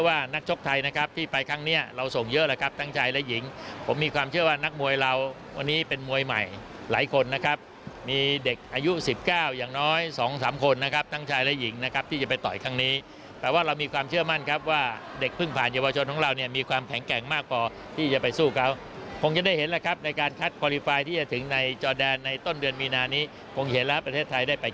ว่านักมวยเราวันนี้เป็นมวยใหม่หลายคนนะครับมีเด็กอายุสิบเก้าอย่างน้อยสองสามคนนะครับทั้งชายและหญิงนะครับที่จะไปต่อยทางนี้แต่ว่าเรามีความเชื่อมั่นครับว่าเด็กพึ่งผ่านเยาวชนของเราเนี่ยมีความแข็งแกร่งมากกว่าที่จะไปสู้เขาคงจะได้เห็นแล้วครับในการคัดที่จะถึงในจอดแดนในต้นเดือนมีนานี้คงเห็นแล้วประเทศ